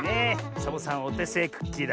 サボさんおてせいクッキーだ。